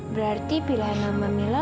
berarti pilihan nama mila